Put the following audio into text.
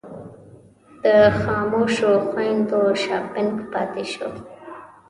د خاموشو خویندو شاپنګ پاتې شو.